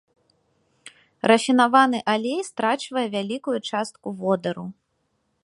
Рафінаваны алей страчвае вялікую частку водару.